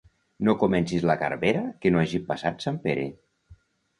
No comencis la garbera que no hagi passat Sant Pere.